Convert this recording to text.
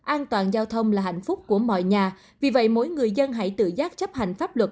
an toàn giao thông là hạnh phúc của mọi nhà vì vậy mỗi người dân hãy tự giác chấp hành pháp luật